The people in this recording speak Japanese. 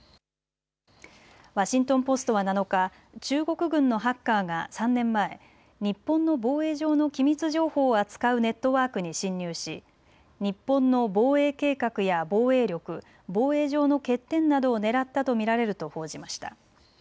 ワシントン・ポストは７日、中国軍のハッカーが３年前、日本の防衛上の機密情報を扱うネットワークに侵入し日本の防衛計画や防衛力、防衛上の欠点などを狙ったと見られると報じました。